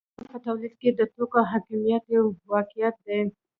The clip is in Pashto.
البته په تولید کې د توکو حاکمیت یو واقعیت دی